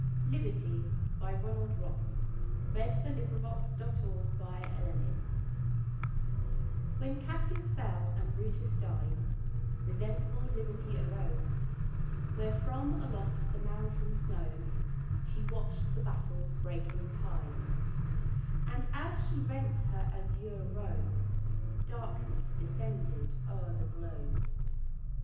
s tears of gold for idle opulence. 1881 2. LIBERTY When Cassius fell and Brutus died, Resentful Liberty arose, Where from aloft the mountain snows She watch'd the battle's breaking tide; And as she rent her azure robe Darkness descended o'er the globe.